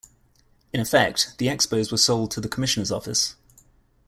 In effect, the Expos were sold to the commissioner's office.